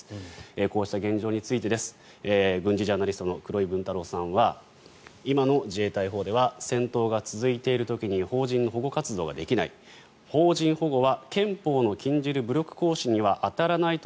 こうした現状について軍事ジャーナリストの黒井文太郎さんは今の自衛隊法では戦闘が続いている時に邦人の保護活動ができない邦人保護は憲法の禁じる武力行使には当たらないと